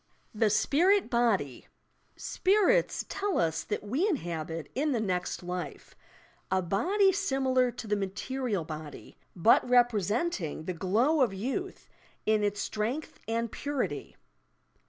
THE SPIRIT BODY "Spirits" tell us that we inhabit, in the next life, a body similar to the material body, — bat representing the glow of yonth in its strength and purity.